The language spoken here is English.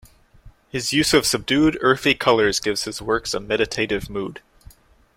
His use of subdued, earthy colors gives his works a meditative mood.